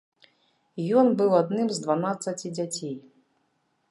Ён быў адным з дванаццаці дзяцей.